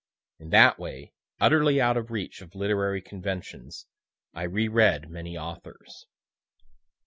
In that way, utterly out of reach of literary conventions, I re read many authors.